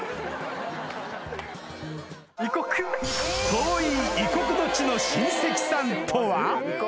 ⁉遠い異国の地の親戚さんとは？